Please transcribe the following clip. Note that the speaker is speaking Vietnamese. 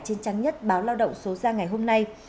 trên trang nhất báo lao động số ra ngày hôm nay